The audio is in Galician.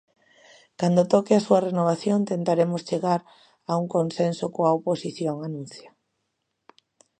"Cando toque a súa renovación tentaremos chegar a un consenso coa oposición", anuncia.